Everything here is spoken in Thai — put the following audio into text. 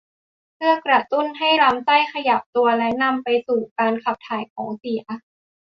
เพื่อกระตุ้นให้ลำไส้ขยับตัวและนำไปสู่การขับถ่ายของเสีย